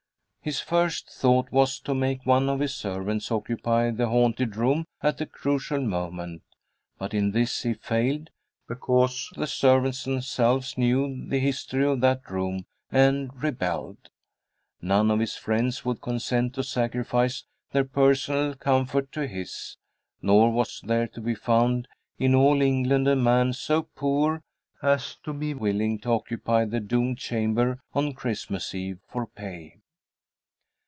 His first thought was to make one of his servants occupy the haunted room at the crucial moment; but in this he failed, because the servants themselves knew the history of that room and rebelled. None of his friends would consent to sacrifice their personal comfort to his, nor was there to be found in all England a man so poor as to be willing to occupy the doomed chamber on Christmas Eve for pay.